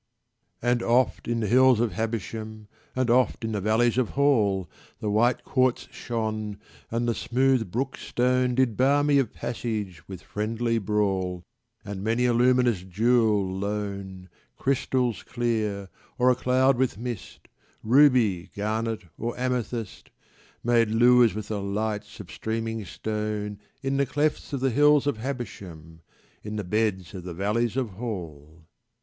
And oft in the hills of Habersham, And oft in the valleys of Hall, The white quartz shone, and the smooth brook stone Did bar me of passage with friendly brawl, And many a luminous jewel lone Crystals clear or a cloud with mist, Ruby, garnet and amethyst Made lures with the lights of streaming stone In the clefts of the hills of Habersham, In the beds of the valleys of Hall.